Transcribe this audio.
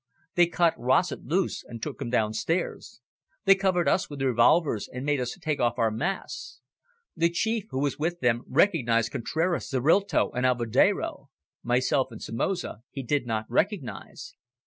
They cut Rossett loose and took him downstairs. They covered us with revolvers, and made us take off our masks. The Chief who was with them recognised Contraras, Zorrilta, and Alvedero. Myself and Somoza he did not recognise."